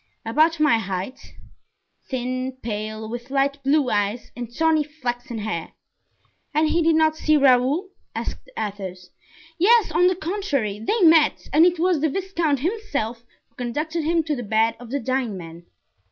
"About my height; thin, pale, with light blue eyes and tawny flaxen hair." "And he did not see Raoul?" asked Athos. "Yes, on the contrary, they met, and it was the viscount himself who conducted him to the bed of the dying man."